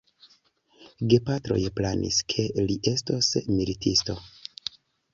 Gepatroj planis, ke li estos militisto.